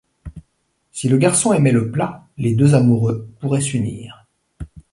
Si le garçon aimait le plat, les deux amoureux pourraient s'unir.